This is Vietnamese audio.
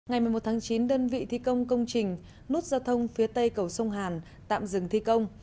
ngày một mươi một tháng chín đơn vị thi công công trình nút giao thông phía tây cầu sông hàn tạm dừng thi công